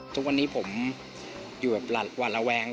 จนวันนี้ผมอยู่หวัดละแวง